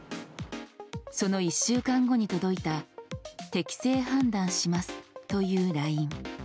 その１週間後に届いた適性判断しますというＬＩＮＥ。